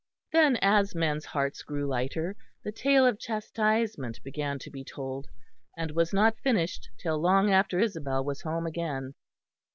Then as men's hearts grew lighter the tale of chastisement began to be told, and was not finished till long after Isabel was home again.